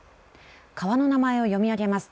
川の名前を読み上げます。